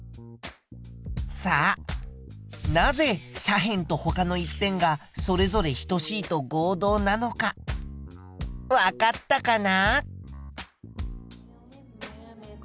さあなぜ斜辺とほかの１辺がそれぞれ等しいと合同なのかわかったかな？